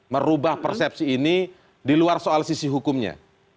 merubah persepsi ini di luar soal sisi hukumnya